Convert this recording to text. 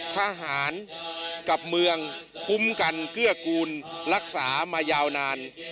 ทหารกับเมืองคุ้มกันเกื้อกูลรักษามายาวนาน